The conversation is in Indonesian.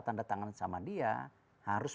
tanda tangan sama dia harus